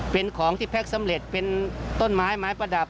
เป็นของที่แพ็คสำเร็จเป็นต้นไม้ไม้ประดับ